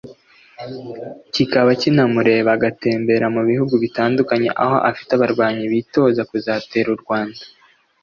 kikaba kinamureka agatemberera mu bihugu bitandukanye aho afite abarwanyi bitoza kuzatera u Rwanda